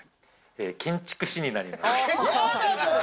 建築士になります。